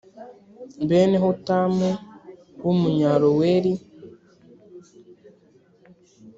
bene hotamu w umunyaroweri